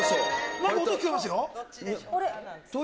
なんか音聞こえますよ。